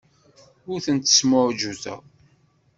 Ur tent-smuɛjuteɣ.